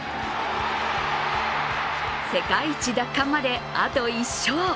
世界一奪還まで、あと１勝。